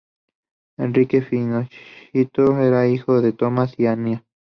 Enrique Finochietto era hijo de Tomás y Ana.